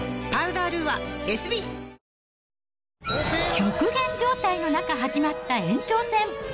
極限状態の中始まった延長戦。